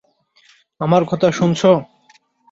আমার কথা শুনছ?